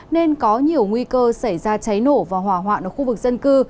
nên có nhiều nguy cơ xảy ra cháy nổ và hỏa hoạn ở khu vực dân cư